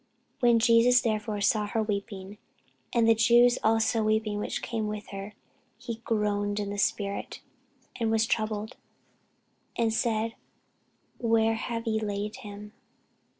When Jesus therefore saw her weeping, and the Jews also weeping which came with her, he groaned in the spirit, and was troubled, and said, Where have ye laid him?